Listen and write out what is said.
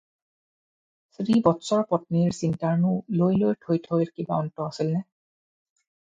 শ্ৰীবৎসৰ পত্নী চিন্তাৰ নো লৈলৈৰ-থৈথৈৰ কিবা অন্ত আছিলনে?